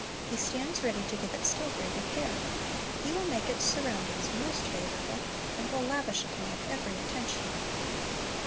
He stands ready to give it still greater care. He will make its surroundings most favorable, and will lavish upon it every attention.